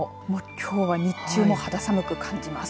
きょうは日中も肌寒く感じます。